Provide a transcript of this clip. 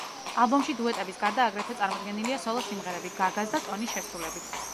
ალბომში დუეტების გარდა აგრეთვე წარმოდგენილია სოლო სიმღერები გაგას და ტონის შესრულებით.